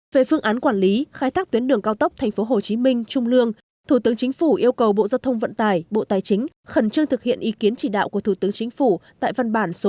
về phương án quản lý khai thác tuyến đường cao tốc tp hcm trung lương thủ tướng chính phủ yêu cầu bộ giao thông vận tải bộ tài chính khẩn trương thực hiện ý kiến chỉ đạo của thủ tướng chính phủ tại văn bản số hai nghìn bảy trăm sáu mươi hai mươi năm chín hai nghìn một mươi chín